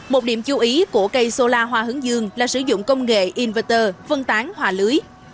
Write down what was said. một điểm chú ý của cây solar hoa hướng dương là sử dụng công nghệ inverter phân tán hòa lưới